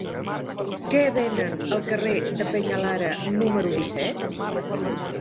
Què venen al carrer del Peñalara número disset?